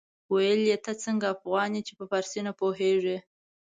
ويل يې ته څنګه افغان يې چې په فارسي نه پوهېږې.